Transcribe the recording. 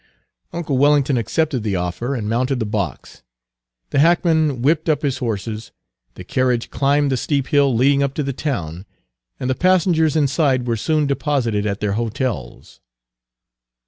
Uncle Wellington accepted the offer and mounted the box. The hackman whipped up his horses, the carriage climbed the steep hill leading up to the town, and the passengers inside were soon deposited at their hotels.